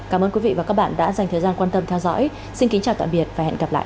cảm ơn quý vị và các bạn đã dành thời gian quan tâm theo dõi xin kính chào tạm biệt và hẹn gặp lại